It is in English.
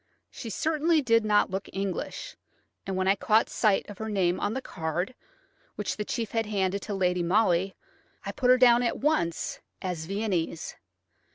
She certainly did not look English, and when I caught sight of her name on the card, which the chief had handed to Lady Molly, I put her down at once as Viennese.